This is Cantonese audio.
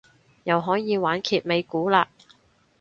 又可以玩揭尾故嘞